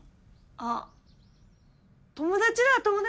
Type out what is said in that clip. あっ友達だ友達。